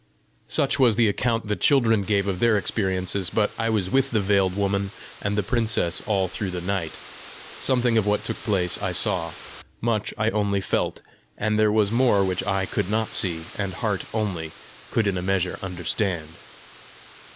Such was the account the children gave of their experiences. But I was with the veiled woman and the princess all through the night: something of what took place I saw; much I only felt; and there was more which eye could not see, and heart only could in a measure understand.